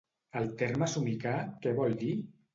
El terme somicar què vol dir?